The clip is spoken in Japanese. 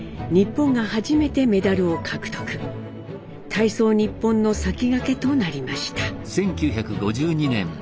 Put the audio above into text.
体操ニッポンの先駆けとなりました。